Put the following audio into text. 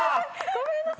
ごめんなさい。